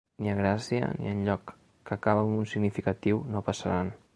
Ni a Gràcia, ni a enlloc’, que acaba amb un significatiu ‘No passaran’.